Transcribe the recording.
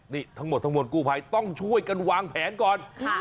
นี่ทั้งหมดกูภัยต้องช่วยกันวางแผนก่อน